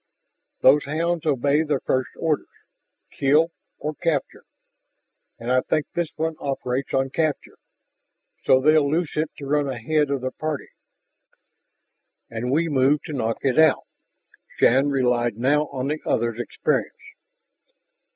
Those hounds obey their first orders: kill or capture. And I think this one operates on 'capture.' So they'll loose it to run ahead of their party." "And we move to knock it out?" Shann relied now on the other's experience.